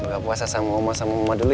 buka puasa sama oma sama oma dulu ya